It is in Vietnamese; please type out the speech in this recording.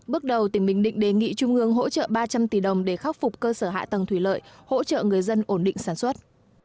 bước đầu tỉnh bình định đề nghị trung ương hỗ trợ ba trăm linh tỷ đồng để khắc phục cơ sở hạ tầng thủy lợi hỗ trợ người dân ổn định sản xuất